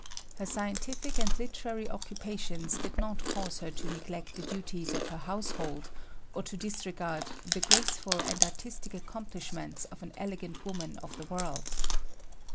Her scientific and literary occupations did not cause her to neglect the duties of her household or to disregard "the graceful and artistic accomplishments of an elegant woman of the world."